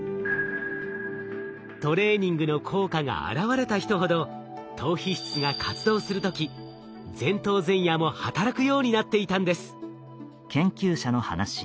トレーニングの効果が現れた人ほど島皮質が活動する時前頭前野も働くようになっていたんです。